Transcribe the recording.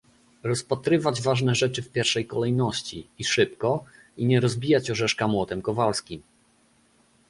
rozpatrywać ważne rzeczy w pierwszej kolejności, i szybko, i nie rozbijać orzeszka młotem kowalskim